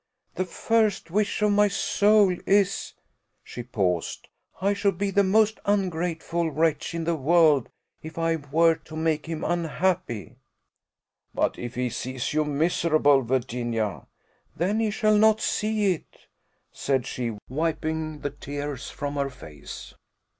The first wish of my soul is " She paused. "I should be the most ungrateful wretch in the world, if I were to make him unhappy." "But if he sees you miserable, Virginia?" "Then he shall not see it," said she, wiping the tears from her face.